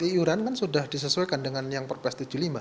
iuran kan sudah disesuaikan dengan yang perpres tujuh puluh lima